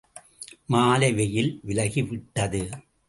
மாலை வெயில் விலகிவிட்டது.